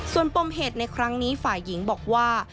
ส่วนปมเหตุในครั้งนี้ฝ่ายหญิงบอกว่า